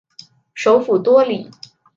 首府多里。